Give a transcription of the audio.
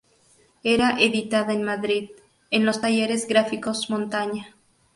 Era editada en Madrid, en los Talleres Gráficos Montaña.